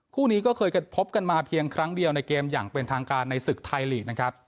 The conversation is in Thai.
คู่นี้ก็เคยพบกันมาเพียงครั้งเดียวในเกมอย่างเป็นทางการในศึกไทยลีกนะครับ